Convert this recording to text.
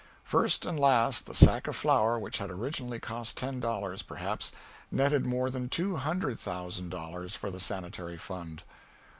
First and last, the sack of flour which had originally cost ten dollars, perhaps, netted more than two hundred thousand dollars for the Sanitary Fund.